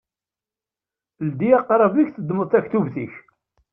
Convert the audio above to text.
Ldi aqṛab-ik, teddmeḍ-d taktubt-ik!